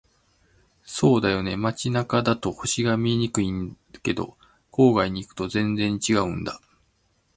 そうだよね。街中だと星が見えにくいけど、郊外に行くと全然違うんだ。